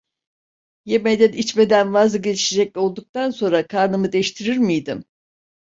Yemeden, içmeden vazgeçecek olduktan sonra karnımı deştirir miydim?